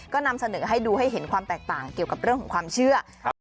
ก็นำเสนอให้ดูให้เห็นความแตกต่างเกี่ยวกับเรื่องของความเชื่อ